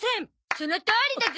そのとおりだゾ！